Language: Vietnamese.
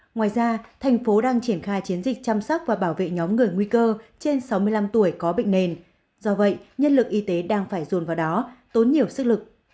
ngoài ra thành phố đang triển khai chiến dịch chăm sóc và bảo vệ nhóm người nguy cơ trên sáu mươi năm tuổi có bệnh nền do vậy nhân lực y tế đang phải dồn vào đó tốn nhiều sức lực